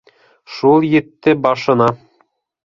Шул етте башына.